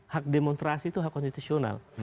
hak demonstrasi itu hak konstitusional